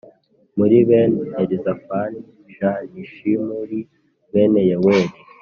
muri bene Elizafani j ni Shimuri mwene Yeweli.